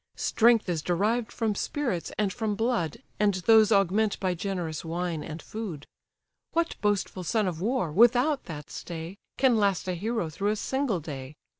Strength is derived from spirits and from blood, And those augment by generous wine and food: What boastful son of war, without that stay, Can last a hero through a single day?